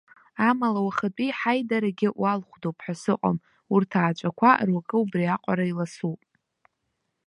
Амала, уахатәи ҳаидарагьы уалхәдоуп ҳәа сыҟам урҭ ааҵәақәа руакы убриаҟара иласуп!